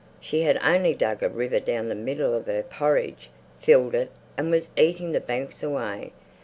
She had only dug a river down the middle of her porridge, filled it, and was eating the banks away.